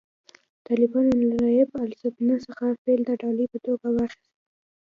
طالبانو له نایب السلطنه څخه فیل د ډالۍ په توګه واخیست